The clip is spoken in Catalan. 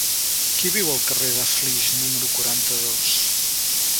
Qui viu al carrer de Flix número quaranta-dos?